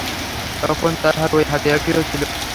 তখন তার হাতে ঐ হাতিয়ারটিও ছিল।